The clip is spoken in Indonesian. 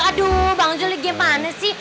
aduh bang zul lagi gimana sih